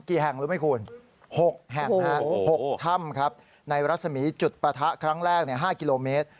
กี่แห่งรู้ไหมคุณ๖แห่ง๖ถ้ำครับในรัศมีจุดปะทะครั้งแรก๕กิโลเมตร